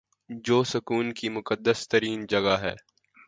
جو سکھوں کی مقدس ترین جگہ ہے